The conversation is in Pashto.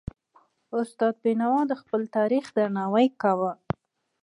استاد بينوا د خپل تاریخ درناوی کاوه.